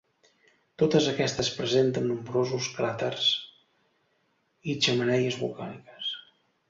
Totes aquestes presenten nombrosos cràters i xemeneies volcàniques.